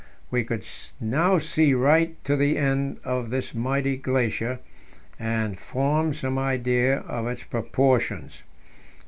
We could now see right to the end of this mighty glacier, and form some idea of its proportions.